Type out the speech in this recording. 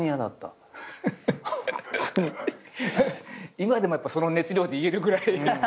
今でもその熱量で言えるぐらい。